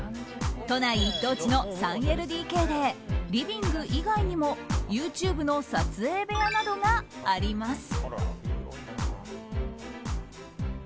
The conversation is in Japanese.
都内一等地の３ＬＤＫでリビング以外にもＹｏｕＴｕｂｅの撮影部屋などがあります。